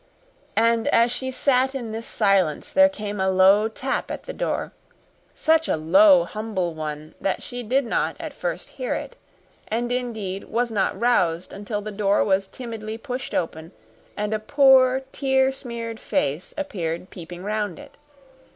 And as she sat in this silence there came a low tap at the door such a low, humble one that she did not at first hear it, and, indeed, was not roused until the door was timidly pushed open and a poor tear smeared face appeared peeping round it.